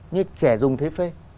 như trẻ dùng thế phê